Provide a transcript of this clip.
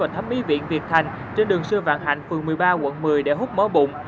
thiệt thành trên đường xưa vạn hạnh phường một mươi ba quận một mươi để hút mớ bụng